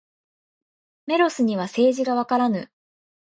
メロスには政治がわからぬ。